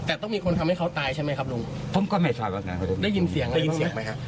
แต่ต้องมีคนทำให้เขาตายใช่ไหมครับลุงผมก็ไม่ทราบว่านั้นได้ยินเสียงไหมครับ